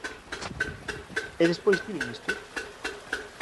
E despois tiven isto.